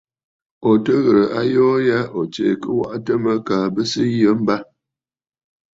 Ò tɨ ghɨ̀rə̀ ayoo ya ò tsee kɨ waʼatə mə kaa bɨ sɨ yə mbâ.